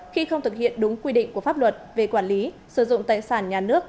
khi không thực hiện đúng quy định của pháp luật về quản lý sử dụng tài sản nhà nước